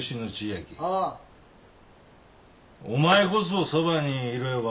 お前こそそばにいろよ。